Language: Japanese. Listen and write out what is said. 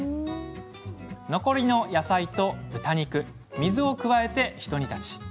残りの野菜と豚肉、水を加えてひと煮立ち。